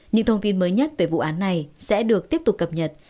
những thông tin mới nhất về vụ án này sẽ được tiếp tục cập nhật